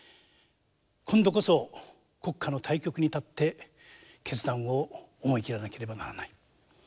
今度こそ国家の大局に立って決断を思い切らなければならない。